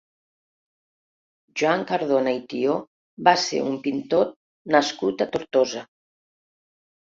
Joan Cardona i Tió va ser un pintor nascut a Tortosa.